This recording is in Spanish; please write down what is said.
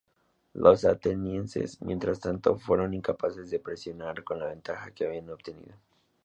Los atenienses, mientras tanto, fueron incapaces de presionar con la ventaja que habían obtenido.